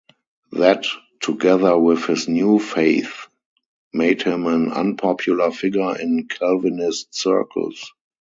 That, together with his new faith, made him an unpopular figure in Calvinist circles.